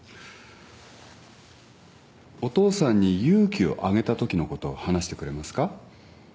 お父さんに勇気をあげたときのことを話してくれますか。